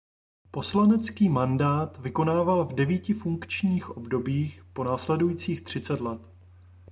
Poslanecký mandát vykonával v devíti funkčních obdobích po následujících třicet let.